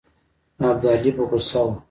ابدالي په غوسه وو.